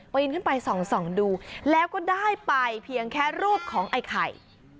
นขึ้นไปส่องดูแล้วก็ได้ไปเพียงแค่รูปของไอ้ไข่